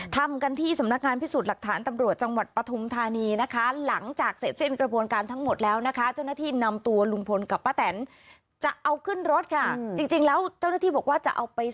ทำกันที่สำนักงานพิสูจน์หลักฐานตำรวจ